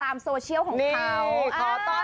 ตามโซเชียลของเขา